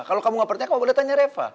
kalau kamu gak percaya kamu boleh tanya reva